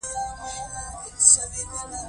د ننګرهار په بټي کوټ کې د مرمرو نښې شته.